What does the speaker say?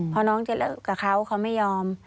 พอน้องจะเลิกกับเขาเขาไม่ยอม